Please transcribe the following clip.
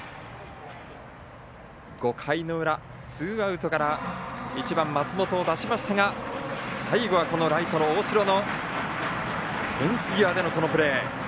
５回の裏、ツーアウトから１番、松本を出しましたが最後はライトの大城のフェンス際でのプレー。